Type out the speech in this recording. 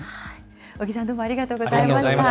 尾木さん、どうもありがとうございました。